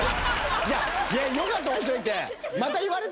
いやよかった押しといて。